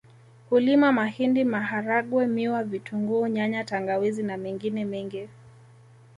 Hulima mahindi maharagwe miwa vitunguu nyanya tangawizi na mengine mengi